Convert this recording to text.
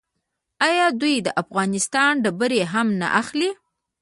آیا دوی د افغانستان ډبرې هم نه اخلي؟